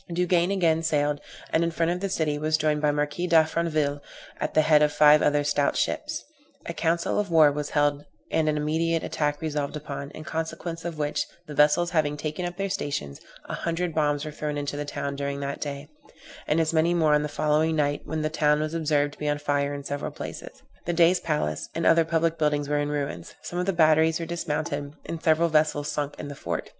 Duguesne again sailed, and in front of the city was joined by the Marquis D'Affranville, at the head of five other stout ships. A council of war was held and an immediate attack resolved upon, in consequence of which, the vessels having taken up their stations, a hundred bombs were thrown into the town during that day, and as many more on the following night, when the town was observed to be on fire in several places; the Dey's palace, and other public buildings were in ruins; some of the batteries were dismounted, and several vessels sunk in the fort.